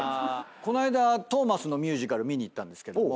この間『トーマス』のミュージカル見に行ったんですけども。